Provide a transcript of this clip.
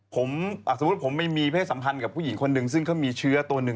ผมสมมุติผมไม่มีเพศสัมพันธ์กับผู้หญิงคนหนึ่งซึ่งเขามีเชื้อตัวหนึ่ง